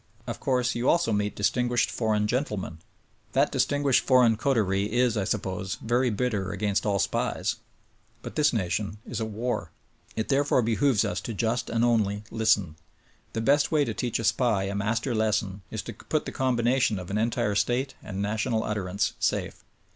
Of course, you also meet distinguished for eign gentlemen. That distinguished foreign coterie is, I suppose, very bitter against all SPIES ! But! this nation is at war. It therefore behooves us to just and only listen. The best way to teach a SPY a master lesson is to put the combination on the entire state and national utterance safe.